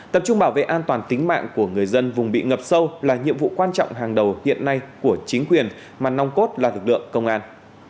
tập trung bảo vệ an toàn tính mạng của người dân vùng bị ngập sâu là nhiệm vụ quan trọng hàng đầu hiện nay của chính quyền mà nông cốt là lực lượng công an